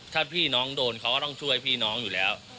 ถ้าพี่น้องโดนเขาก็ต้องช่วยพี่น้องอยู่แล้ว